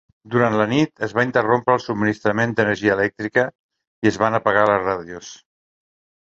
Durant la nit, es va interrompre el subministrament d'energia elèctrica i es van apagar les ràdios.